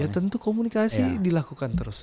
ya tentu komunikasi dilakukan terus